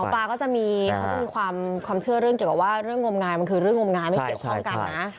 ปลาก็จะมีเขาจะมีความเชื่อเรื่องเกี่ยวกับว่าเรื่องงมงายมันคือเรื่องงมงายไม่เกี่ยวข้องกันนะ